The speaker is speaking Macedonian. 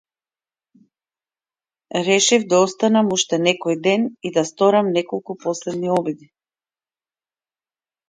Решив да останам уште некој ден и да сторам неколку последни обиди.